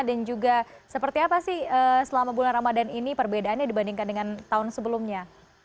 dan juga seperti apa sih selama bulan ramadan ini perbedaannya dibandingkan dengan tahun sebelumnya